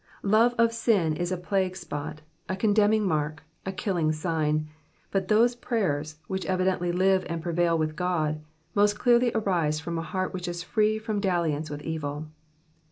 Love of sin is a plague spot, a condemning mark, a killing sign, but those praters, which evidently live and prevail with God, most clearly arise from a heart which is free from dalliance with evil.